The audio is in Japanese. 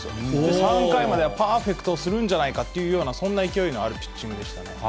３回まではパーフェクトするんじゃないかというような、そんな勢いのあるピッチングでし